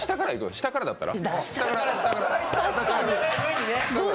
下からだったら？